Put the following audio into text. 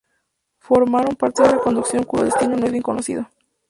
Formaron parte de una conducción cuyo destino no es bien conocido.